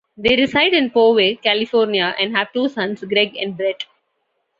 They reside in Poway, California and have two sons, Greg and Brett.